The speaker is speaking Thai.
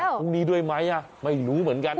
แต่พรุ่งนี้ด้วยมั้ยไม่รู้เหมือนกัน